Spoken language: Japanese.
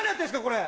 これ。